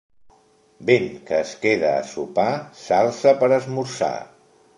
Vent que es queda a sopar, s'alça per esmorzar.